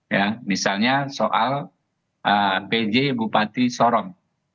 ya misalnya soal pj bupati sorong